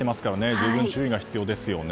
十分注意が必要ですよね。